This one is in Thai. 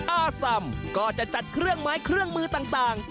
อาสัมก็จะจัดเครื่องไม้เครื่องมือต่าง